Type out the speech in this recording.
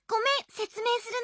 せつめいするね。